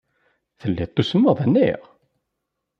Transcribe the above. Telliḍ tusmeḍ, anaɣ?